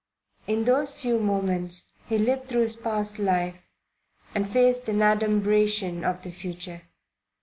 In those few moments he lived through his past life and faced an adumbration of the future.